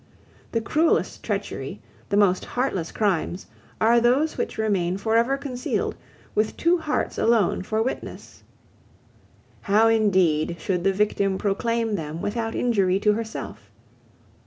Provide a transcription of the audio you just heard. The cruelest treachery, the most heartless crimes, are those which remain for ever concealed, with two hearts alone for witness. How indeed should the victim proclaim them without injury to herself?